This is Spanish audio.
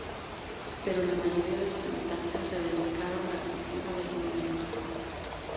Pero la mayoría de los habitantes se dedicaron al cultivo de limoneros.